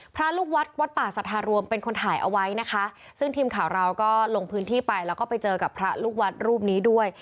พระลูกวัดวัดป่าสัทธารวมเป็นคนถ่ายเอาไว้นะคะซึ่งทีมข่าวเราก็ลงพื้นที่ไปแล้วก็ไปเจอกับพระลูกวัดรูปนี้ด้วย